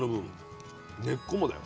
根っこもだよ。